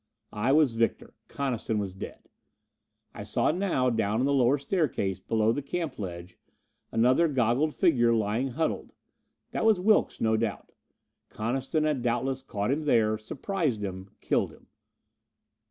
I was victor. Coniston was dead. I saw now, down on the lower staircase below the camp ledge, another goggled figure lying huddled. That was Wilks, no doubt. Coniston had doubtless caught him there, surprised him, killed him.